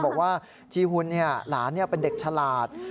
บอกว่าจีหุ่นหลานเป็นเด็กฉลาด